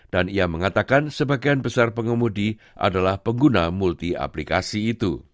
dan ia mengatakan sebagian besar pengemudi adalah pengguna multi aplikasi itu